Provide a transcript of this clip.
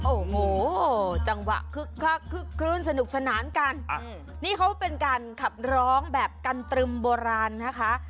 โอ้โหจังหวะคึกคักคึกคลื้นสนุกสนานกันนี่เขาเป็นการขับร้องแบบกันตรึมโบราณนะคะ